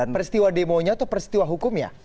peristiwa demonya atau peristiwa hukum ya